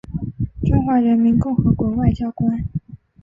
中华人民共和国外交官。